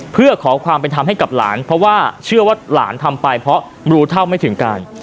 เพื่อขอความเป็นธรรมให้กับหลานเพราะว่าเชื่อว่าหลานทำไปเพราะรู้เท่าไม่ถึงการ